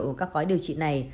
của các gói điều trị này